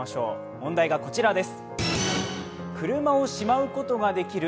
問題がこちらです。